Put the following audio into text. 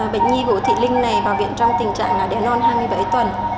bệnh nhi vũ thị linh này vào viện trong tình trạng đệ non hai mươi bảy tuần